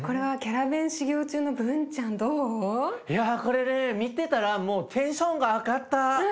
いやこれね見てたらもうテンションが上がった。